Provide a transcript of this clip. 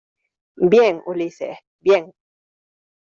bien, Ulises , bien.